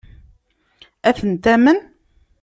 Ad ten-tamen?